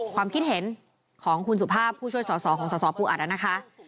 ความคิดเห็นของคุณสุภาพผู้ช่วยสอบสอบของสอบสอบปูอัตรแล้วนะคะ